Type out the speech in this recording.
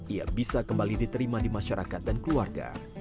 ia bisa kembali diterima di masyarakat dan keluarga